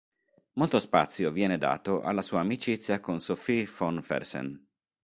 Molto spazio viene dato alla sua amicizia con Sophie Von Fersen.